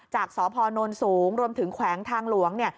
จากสพนสูงรวมถึงแขวงทางหลวง